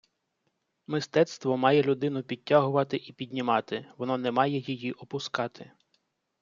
Мистецтво має людину підтягувати і піднімати, воно не має ії опускати